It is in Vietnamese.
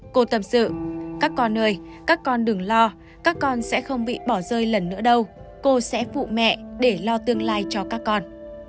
cô tâm sự các con ơi các con đừng lo các con sẽ không bị bỏ rơi lần nữa đâu cô sẽ phụ mẹ để lo tương lai cho các con